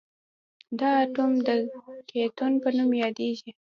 دا اتوم د کتیون په نوم یادیږي.